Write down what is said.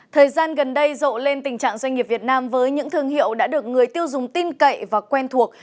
thời gian gần đây rộ lên tình trạng doanh nghiệp việt nam với những thương hiệu đã được người tiêu dùng tin cậy và quen thuộc